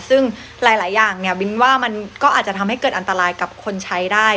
ซึ่งหลายอย่างเนี่ยบินว่ามันก็อาจจะทำให้เกิดอันตรายกับคนใช้ได้